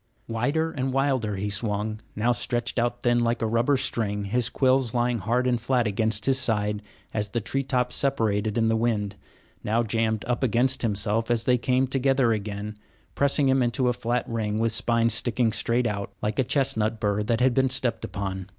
Wider and wilder he swung, now stretched out thin, like a rubber string, his quills lying hard and flat against his sides as the tree tops separated in the wind; now jammed up against himself as they came together again, pressing him into a flat ring with spines sticking straight out, like a chestnut bur that has been stepped upon.